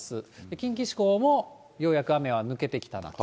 近畿地方もようやく雨は抜けてきたなと。